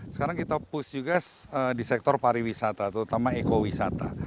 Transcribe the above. sekarang kita push juga di sektor pariwisata terutama ekowisata